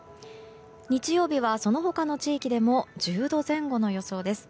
日曜日はその他の地域でも１０度前後の予想です。